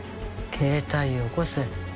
携帯よこせ。